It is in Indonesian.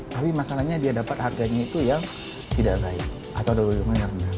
tapi masalahnya dia dapat harganya itu yang tidak baik